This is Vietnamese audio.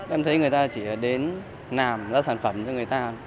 em thấy người ta chỉ đến làm ra sản phẩm cho người ta